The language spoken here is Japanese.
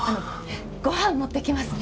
ご飯持って来ますね。